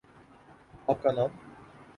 آپ کا نام؟